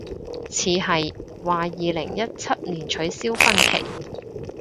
似係，話二零一七年取消婚期